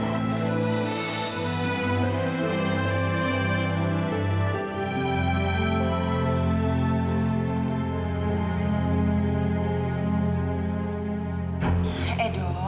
tante mila mau ke penjara